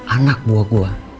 anak buah gue